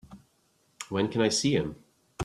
When can I see him?